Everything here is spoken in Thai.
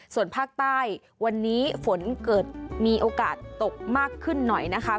ส่วนภาคใต้วันนี้ฝนเกิดมีโอกาสตกมากขึ้นหน่อยนะคะ